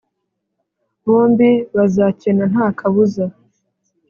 bombi bazakena nta kabuza